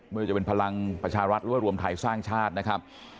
เมื่อจะเป็นพลังประชารัฐรวมไทยสร้างชาตินะครับ